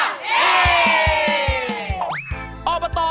อบทมภาคภูมิว่าเอ๊